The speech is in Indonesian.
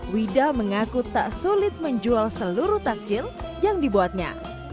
wida mengaku tak sulit menjual seluruh takjil yang dibuatnya